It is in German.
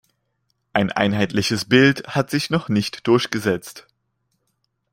Ein einheitliches Bild hat sich noch nicht durchgesetzt.